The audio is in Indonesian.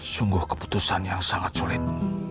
sungguh keputusan yang sangat sulit